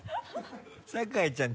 酒井ちゃん